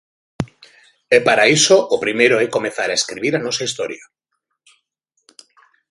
E para iso, o primeiro é comezar a escribir a nosa historia.